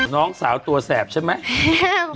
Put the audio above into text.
น้องสาวตัวแสบใช่ไหม